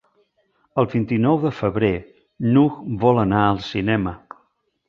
El vint-i-nou de febrer n'Hug vol anar al cinema.